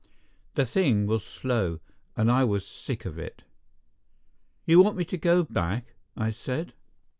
The thing was slow, and I was sick of it. "You want me to go back?" I said.